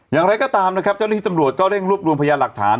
อย่างไรก็ตามนะครับเจ้าหน้าที่ตำรวจก็เร่งรวบรวมพยานหลักฐาน